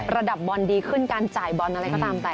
ระดับบอลดีขึ้นการจ่ายบอลอะไรก็ตามแต่